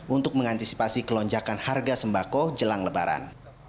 untuk mengantisipasi kelonjakan harga sembako jelang lebaran